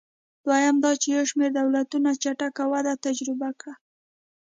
دویم دا چې یو شمېر دولتونو چټکه وده تجربه کړه.